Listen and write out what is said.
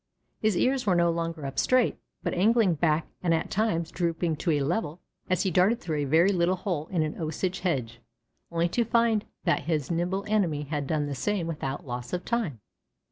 His ears were no longer up straight, but angling back and at times drooping to a level, as he darted through a very little hole in an Osage hedge, only to find that his nimble enemy had done the same without loss of time.